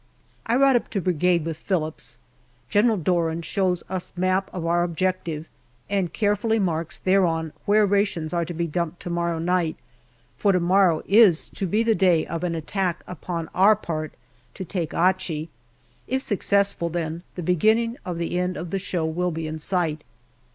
I ride up to Brigade with Phillips. General Doran shows us map of our objective, and carefully marks thereon where rations are to be dumped to morrow night, for to morrow is to be the day of an attack upon our part to take Achi. If successful, then the beginning of the end of the show will be in sight.